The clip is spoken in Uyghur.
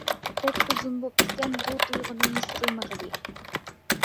بەك ئۇزۇن بوپتىكەن بۇ تۇيغۇنى ھېس قىلمىغىلى.